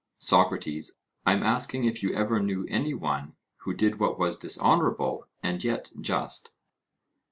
SOCRATES: I am asking if you ever knew any one who did what was dishonourable and yet just?